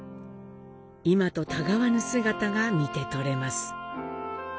今とたがわぬ姿が見て取れます。